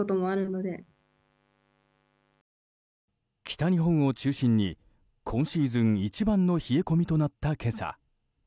北日本を中心に今シーズン一番の冷え込みとなった今朝。